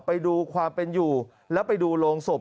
ไปดูความเป็นอยู่แล้วไปดูโรงศพ